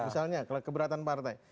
misalnya kalau keberatan partai